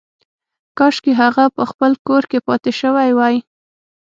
کاشکې هغه په خپل کور کې پاتې شوې وای